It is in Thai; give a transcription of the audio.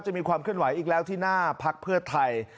มีความเคลื่อนไหวอีกแล้วที่หน้าพักเพื่อไทย